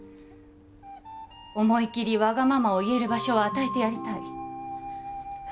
思い切りわがままを言える場所を与えてやりたい